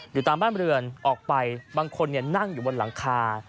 อยู่ตามบ้านบริเวณออกไปบางคนเนี่ยนั่งอยู่บนหลังคา